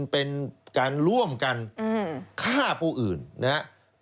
เป็นการร่วมกันฆ่าผู้อื่นนะครับ